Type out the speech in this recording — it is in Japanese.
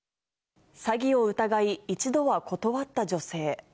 詐欺を疑い、一度は断った女性。